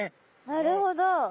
なるほど。